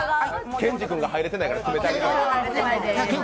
健治君が入れてないから詰めてあげて。